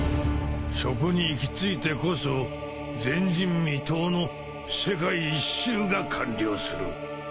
そこに行き着いてこそ前人未到の世界一周が完了する。